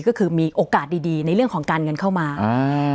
ก็คือมีโอกาสดีดีในเรื่องของการเงินเข้ามาอ่า